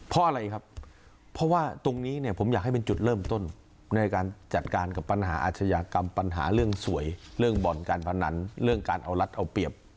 เพราะอะไรครับเพราะว่าตรงนี้เนี่ยผมอยากให้เป็นจุดเริ่มต้นในการจัดการกับปัญหาอาชญากรรมปัญหาเรื่องสวยเรื่องบ่อนการพนันเรื่องการเอารัฐเอาเปรียบ